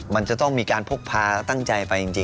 มันจะต้องมีการพกพาตั้งใจไปจริง